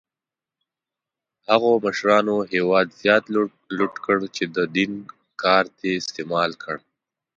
هغو مشرانو هېواد زیات لوټ کړ چې د دین کارت یې استعمال کړ.